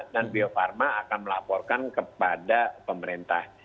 dan bio farma akan melaporkan kepada pemerintah